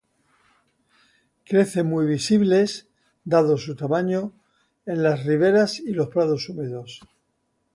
Crecen muy visibles, dado su tamaño, en las riveras y los prados húmedos.